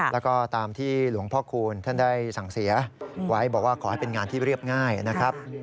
แล้วก็ตามที่หลวงพ่อคูณท่านได้สั่งเสียไว้บอกว่าขอให้เป็นงานที่เรียบง่ายนะครับ